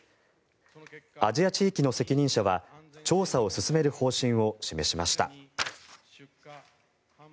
アジア地域の責任者は調査を進める方針を示しました。